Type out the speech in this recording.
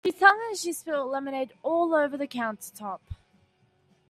She sang as she spilled lemonade all over the countertop.